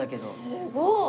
すごい！